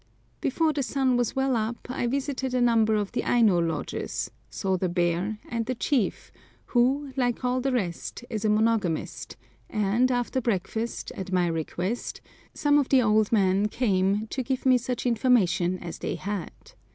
Before the sun was well up I visited a number of the Aino lodges, saw the bear, and the chief, who, like all the rest, is a monogamist, and, after breakfast, at my request, some of the old men came to give me such information as they had.